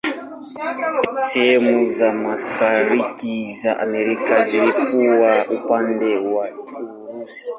Sehemu za mashariki za Armenia zilikuwa upande wa Urusi.